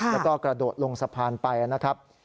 แล้วก็กระโดดลงสะพานไปนะครับ